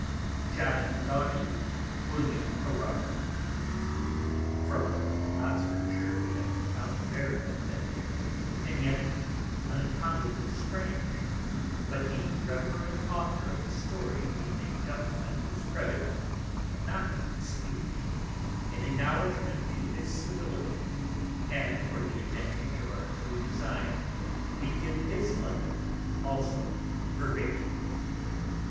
John Gaudy. William Garrard. From Oxfordshire we have an Account very authentick, and yet unaccountably strange: but the reverend Author of the Story being a Gentleman whose Credit we cannot dispute, in acknowledgment to his Civility, and for the Advantage of our true Design, we give his Letter also verbatim.